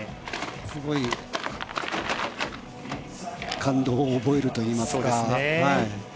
すごい感動を覚えるといいますか。